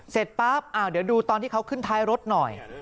เสร็จปั๊บเดี๋ยวดูตอนที่เขาขึ้นท้ายรถหน่อย